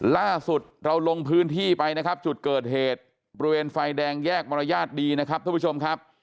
ล่าสุดเราลงพื้นที่ไปนะครับจุดเกิดเหตุบริเวณไฟแดงแยกมรยาทดีนะครับท่านผู้ชมครับ